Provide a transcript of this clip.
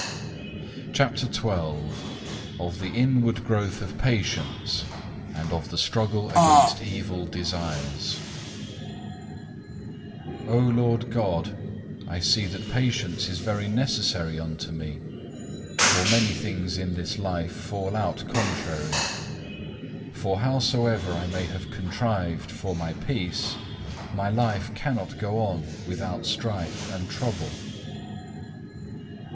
CHAPTER XII Of the inward growth of patience, and of the struggle against evil desires O Lord God, I see that patience is very necessary unto me; for many things in this life fall out contrary. For howsoever I may have contrived for my peace, my life cannot go on without strife and trouble.